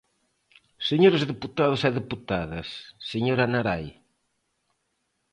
Señores deputados e deputadas, señora Narai.